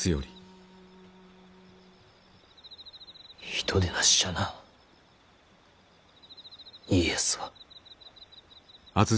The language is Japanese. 人でなしじゃな家康は。